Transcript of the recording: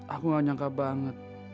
aku gak nyangka banget